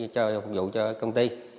cho phục vụ cho công ty